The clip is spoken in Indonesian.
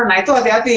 nah itu hati hati